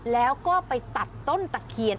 แล้วก็ไปตัดต้นตะเคียน